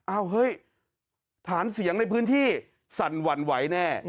เฮ้ยฐานเสียงในพื้นที่สั่นหวั่นไหวแน่